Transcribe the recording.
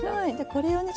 これをね